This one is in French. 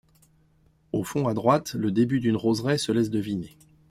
Au fond à droite, le début d'une roseraie se laisse deviner.